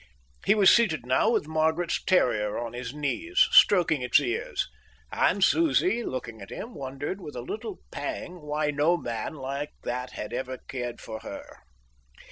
He was seated now with Margaret's terrier on his knees, stroking its ears, and Susie, looking at him, wondered with a little pang why no man like that had even cared for her.